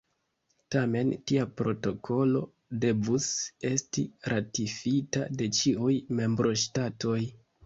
Tamen tia protokolo devus esti ratifita de ĉiuj membroŝtatoj.